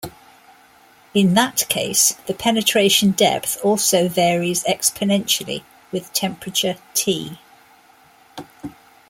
In that case, the penetration depth also varies exponentially with temperature "T".